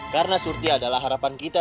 karena surti adalah harapan kita